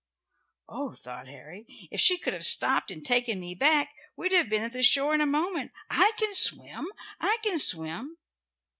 "Oh," thought Harry, "if she could have stopped and taken me back, we'd have been at the shore in a moment. I can swim. I can swim."